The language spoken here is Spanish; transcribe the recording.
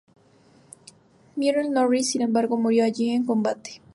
Wieland Norris, sin embargo, murió allí en combate.